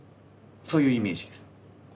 そういうイメージです。